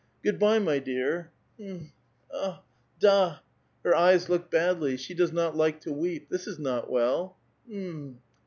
Goo<i by, my dear. — Ilm ! hm ! da ! hm ! her eyes look badly. She does not like to weep. This is not well. Hm!